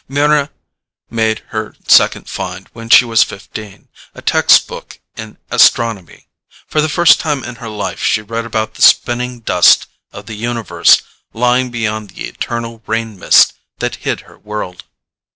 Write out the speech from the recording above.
Mryna made her second find when she was fifteen, a textbook in astronomy. For the first time in her life she read about the spinning dust of the universe lying beyond the eternal rain mist that hid her world.